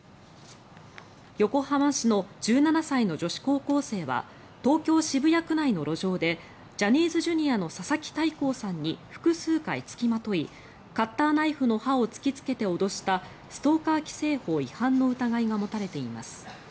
横浜市の１７歳の女子高校生は東京・渋谷区内の路上でジャニーズＪｒ．の佐々木大光さんに複数回つきまといカッターナイフの刃を突きつけて脅したストーカー規制法違反の疑いが持たれています。